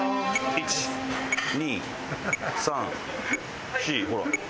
１２３４ほら。